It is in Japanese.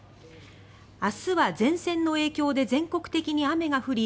明日は前線の影響で全国的に雨が降り